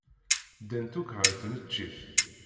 Ddant akk ɣer tneččit.